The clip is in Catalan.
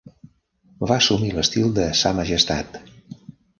Va assumir l'estil de "Sa majestat".